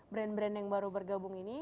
brand brand yang baru bergabung ini